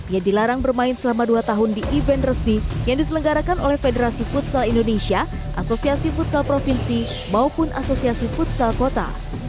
yang dilarang bermain selama dua tahun di event resmi yang diselenggarakan oleh federasi futsal indonesia asosiasi futsal provinsi maupun asosiasi futsal kota